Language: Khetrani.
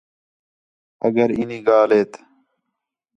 آ کر اینی ڳالھ ہیت